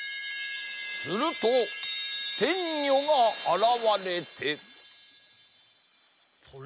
するとてんにょがあらわれて。